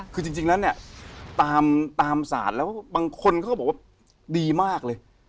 คือจริงแล้วเนี่ยตามศาลแล้วบางคนเขาก็บอกว่าดีมากเลย